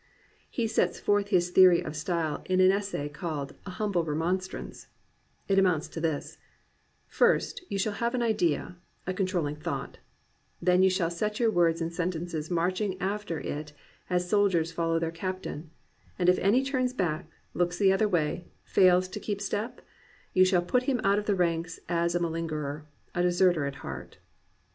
He sets forth his theory of style in the essay called A Humble Remonstrance, It amounts to this : First, you shall have an idea, a controlling thought; then you shall set your words and sentences marching after it as soldiers follow their captain; and if any turns back, looks the other way, fails to keep step, you shall put him out of the ranks as a malingerer, a deserter at heart.